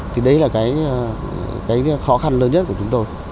thì đấy là cái khó khăn lớn nhất của chúng tôi